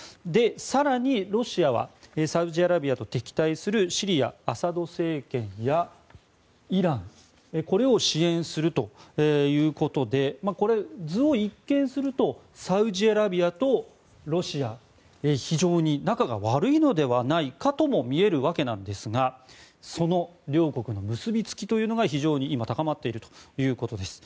更に、ロシアはサウジアラビアと敵対するシリアアサド政権やイランこれを支援するということで図を一見するとサウジアラビアとロシア非常に仲が悪いのではないかとも見えるわけなんですがその両国の結びつきというのが今非常に高まっているということです。